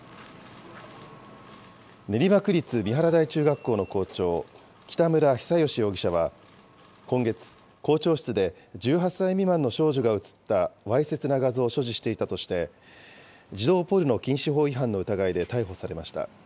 練馬区立三原台中学校の校長、北村比左嘉容疑者は、今月、校長室で１８歳未満の少女が写ったわいせつな画像を所持していたとして、児童ポルノ禁止法違反の疑いで逮捕されました。